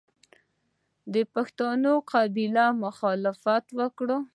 پښتني قبایلو مخالفت وکړ.